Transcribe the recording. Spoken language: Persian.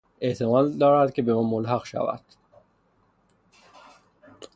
احتمال دارد که به ما ملحق شود.